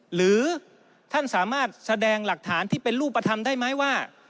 หรือท่านสามารถแสดงหลักฐานที่เป็นรูปธรรมได้ไหมว่า